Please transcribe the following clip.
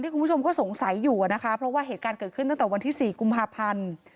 คุณผู้ชมก็สงสัยอยู่นะคะเพราะว่าเหตุการณ์เกิดขึ้นตั้งแต่วันที่๔กุมภาพันธ์